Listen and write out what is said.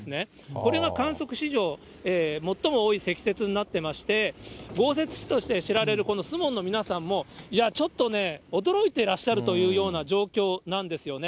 これが観測史上最も多い積雪になってまして、豪雪地として知られるこの守門の皆さんも、いや、ちょっとね、驚いてらっしゃるというような状況なんですよね。